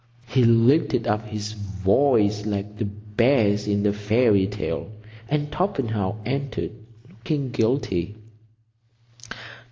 He lifted up his voice like the bears in the fairy tale, and Torpenhow entered, looking guilty.